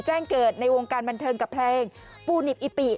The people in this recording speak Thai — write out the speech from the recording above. แจ้งเกิดในวงการบันเทิงกับเพลงปูนิบอิปิ